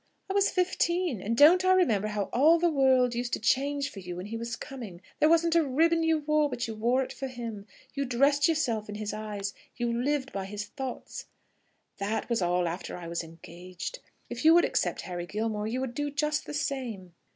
"I was fifteen; and don't I remember how all the world used to change for you when he was coming? There wasn't a ribbon you wore but you wore it for him; you dressed yourself in his eyes; you lived by his thoughts." "That was all after I was engaged. If you would accept Harry Gilmore, you would do just the same."